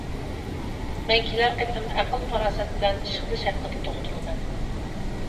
مەن كېلەر قېتىم «ئەقىل-پاراسەت بىلەن ئىش قىلىش» ھەققىدە توختىلىمەن.